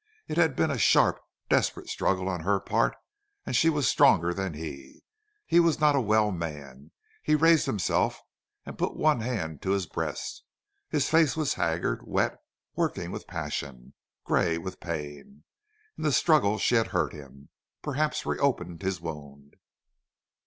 It had been a sharp, desperate struggle on her part and she was stronger than he. He was not a well man. He raised himself and put one hand to his breast. His face was haggard, wet, working with passion, gray with pain. In the struggle she had hurt him, perhaps reopened his wound.